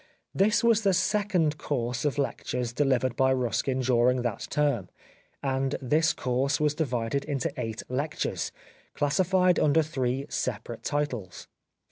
This was the second course of lectures delivered by Ruskin during that term, and this course was divided into eight lectures, classified under three separate titles.